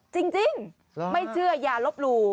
จริงไม่เชื่ออย่าลบหลู่